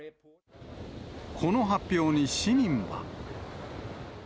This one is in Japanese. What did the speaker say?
この発表に市民は。